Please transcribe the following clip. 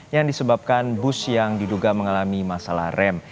yang disebabkan bus yang diduga mengalami masalah rem